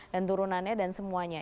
dan turunannya dan semuanya